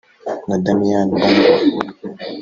na Damiyani Bongwa